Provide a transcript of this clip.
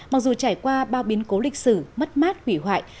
mặc dù trải qua bao biến cố lịch sử mất mát hủy hoại